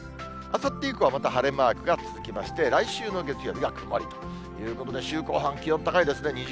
あさって以降はまた晴れマークが続きまして、来週の月曜日が曇り、ということで、週後半、気温高いですね。